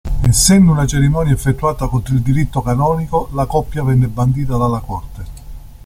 Essendo una cerimonia effettuata contro il diritto canonico, la coppia venne bandita dalla corte.